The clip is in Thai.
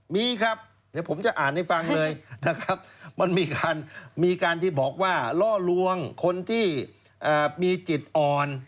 มีครับเดี๋ยวผมจะอ่านให้ฟังเลยนะครับมันมีการที่บอกว่าล่อลวงคนที่มีจิตอ่อน